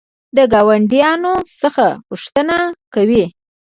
د ګاونډیانو څخه پوښتنه کوئ؟